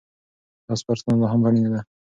دا سپارښتنه لا هم اړينه ده.